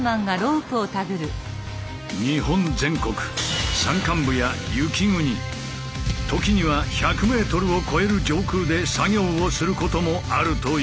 日本全国山間部や雪国時には１００ｍを超える上空で作業をすることもあるという。